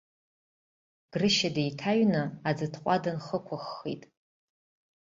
Грышьа деиҭаҩны аӡытҟәа дынхықәыххит.